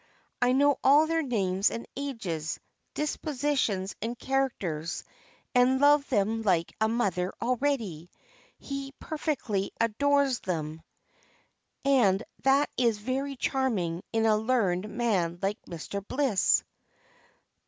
I know all their names and ages, dispositions, and characters, and love them like a mother already. He perfectly adores them, and that is very charming in a learned man like Mr. Bliss."